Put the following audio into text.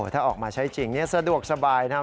ถ้าออกมาใช้จริงสะดวกสบายนะครับ